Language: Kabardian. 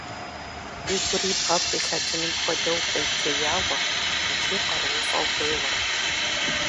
И гур и бгъэм къилъэтыным хуэдэу пӀейтеяуэ икӀи къарууфӀэу къеуэрт.